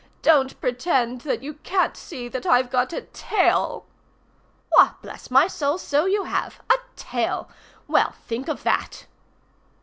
"Don't pretend that you can't see that I've got a tail." "Why, bless my soul, so you have. A tail! Well, think of that!"